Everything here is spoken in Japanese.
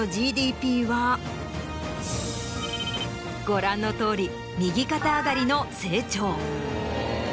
ご覧のとおり右肩上がりの成長。